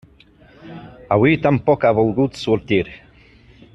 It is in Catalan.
Avui tampoc ha volgut sortir.